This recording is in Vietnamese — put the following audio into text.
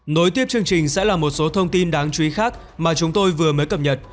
nối tiếp chương trình sẽ là một số thông tin đáng chú ý khác mà chúng tôi vừa mới cập nhật